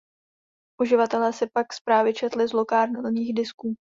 Uživatelé si pak zprávy četli z lokálních disků.